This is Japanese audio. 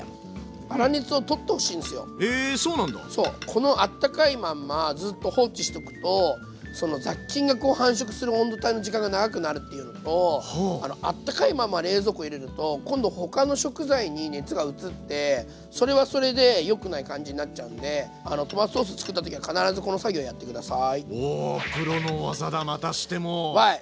このあったかいまんまずっと放置しとくと雑菌がこう繁殖する温度帯の時間が長くなるっていうのとあったかいまま冷蔵庫入れると今度他の食材に熱が移ってそれはそれでよくない感じになっちゃうんでトマトソースつくった時は必ずこの作業やって下さい。